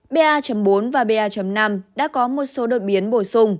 ba bốn và ba năm đã có một số đột biến bổ sung